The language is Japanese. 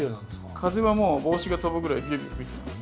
風はもう帽子が飛ぶぐらいビュービュー吹いてますね。